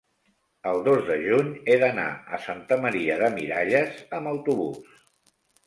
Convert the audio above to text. el dos de juny he d'anar a Santa Maria de Miralles amb autobús.